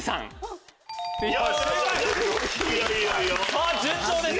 さぁ順調です